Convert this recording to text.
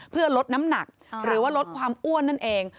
เพื่อลดน้ำหนักหรือว่าลดความอ้วนนั่นเอง